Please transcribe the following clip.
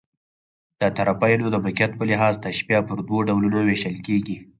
د طرفَینو د موقعیت په لحاظ، تشبیه پر دوه ډولونو وېشل کېږي.